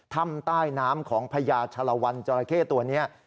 ถ้ำใต้น้ำของพญาชะละวันจราเข้ตัวนี้